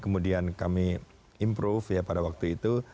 kemudian kami improve ya pada waktu itu